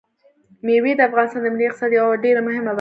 مېوې د افغانستان د ملي اقتصاد یوه ډېره مهمه برخه ده.